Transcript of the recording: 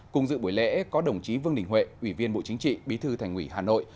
cùng dự buổi lễ có đồng chí vương đình huệ ủy viên bộ chính trị bí thư thành ủy hà nội